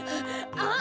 あっ？